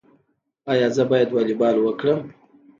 ایا زه باید والیبال وکړم؟